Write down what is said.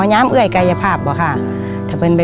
อย้ามเงื่อยกายภาพหรือคะ